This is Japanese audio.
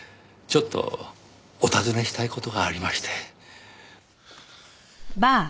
ちょっとお尋ねしたい事がありまして。